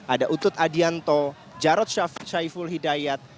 ada utut adianto jarod syaiful hidayat